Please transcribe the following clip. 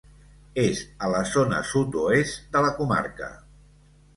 És a la zona sud-oest de la comarca.